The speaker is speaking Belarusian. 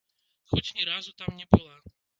Хоць ні разу там не была.